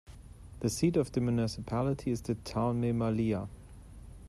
The seat of the municipality is the town Memaliaj.